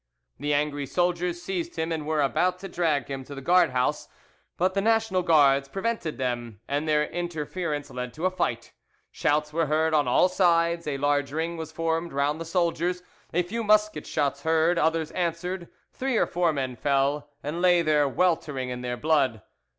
The angry soldiers seized him and were about to drag him to the guard house, but the National Guards prevented them, and their interference led to a fight. Shouts were heard on all sides, a large ring was formed round the soldiers, a few musket shots heard, others answered, three or four men fell, and lay there weltering in their blood.